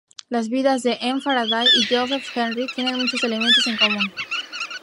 Las vidas de M. Faraday y Joseph Henry tienen muchos elementos en común.